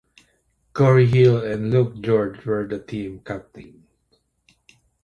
Corey Hill and Luke George were the team captains.